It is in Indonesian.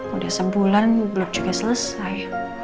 udah sebulan blok juga selesai